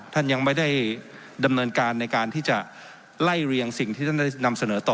ท่านยังไม่ได้ดำเนินการในการที่จะไล่เรียงสิ่งที่ท่านได้นำเสนอต่อ